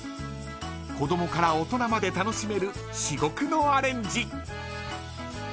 子どもから大人まで楽しめる至極のアレンジ。